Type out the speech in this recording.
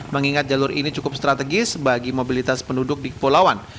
mengingat jalur ini cukup strategis bagi mobilitas penduduk di kepulauan